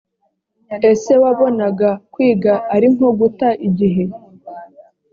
ese wabonaga kwiga ari nko guta igihe?